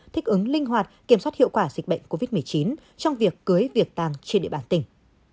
thích ứng linh hoạt kiểm soát hiệu quả dịch bệnh covid một mươi chín trong việc cưới việc tàng trên địa bàn tỉnh